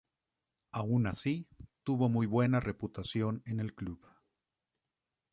Aun así, tuvo muy buena reputación en el club.